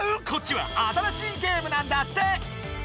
こっちは新しいゲームなんだって。